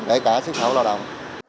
để cả xuất khẩu lao động